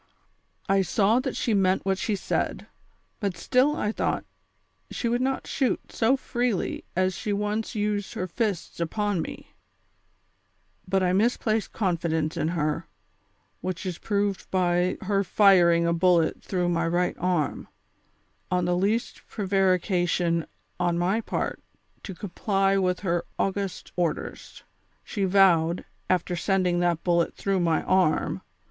I saw that she meant what she said, but still I thought she would not shoot so freely as she once used her fists upon me ; but I misplaced confidence in her, which is proved by her firing a bullet through my right arm, on the least pre varication on my part to comply with her august orders. She vowed, after sending tliat bullet through my arm.